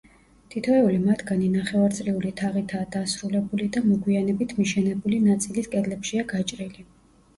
თითოეული მათგანი ნახევარწრიული თაღითაა დასრულებული და მოგვიანებით მიშენებული ნაწილის კედლებშია გაჭრილი.